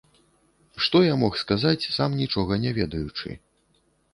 Што я мог сказаць, сам нічога не ведаючы.